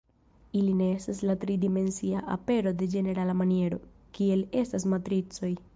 Ili ne estas la tri dimensia apero de ĝenerala maniero, kiel estas matricoj.